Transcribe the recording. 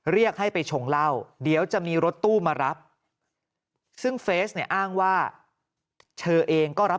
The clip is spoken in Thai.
เรียกให้ไปชงเหล้าเดี๋ยวจะมีรถตู้มารับซึ่งเฟสเนี่ยอ้างว่าเธอเองก็รับ